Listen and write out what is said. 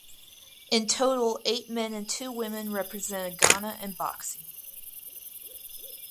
In total eight men and two women represented Ghana in boxing.